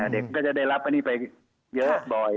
เด็กก็จะได้รับอันนี้ไปเยอะบ่อย